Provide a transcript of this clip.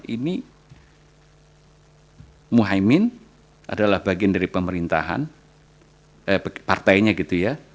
ini muhaymin adalah bagian dari pemerintahan partainya gitu ya